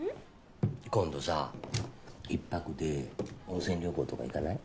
今度さ１泊で温泉旅行とか行かない？